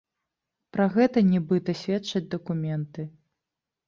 Пра гэта, нібыта, сведчаць дакументы.